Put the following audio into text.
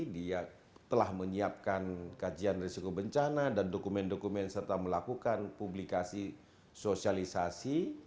dia telah menyiapkan kajian risiko bencana dan dokumen dokumen serta melakukan publikasi sosialisasi